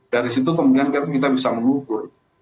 dari situ kemudian kita bisa mengukur